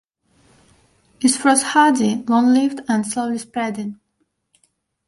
It is frost-hardy, long-lived, and slowly spreading.